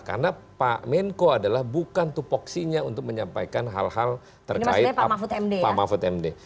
karena pak menko adalah bukan tupoksinya untuk menyampaikan hal hal terkait pak mahfud md